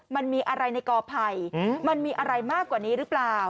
มันมีอะไรในกอไผ่มันมีอะไรมากกว่านี้หรือเปล่า